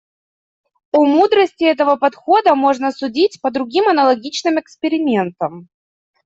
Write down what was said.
О мудрости этого подхода можно судить по другим аналогичным экспериментам.